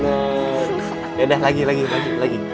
ya udah lagi lagi